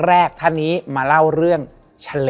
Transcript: และวันนี้แขกรับเชิญที่จะมาเชิญที่เรา